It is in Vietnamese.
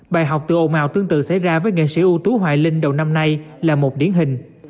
bài học từ ồ mào tương tự xảy ra với nghệ sĩ ưu tú hoài linh đầu năm nay là một điển hình